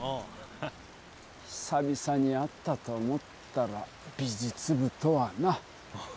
久々に会ったと思ったら美術部とはな。